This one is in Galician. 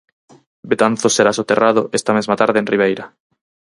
Betanzos será soterrado esta mesma tarde en Ribeira.